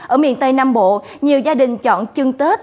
ở miền tây nam bộ nhiều gia đình chọn chưng tết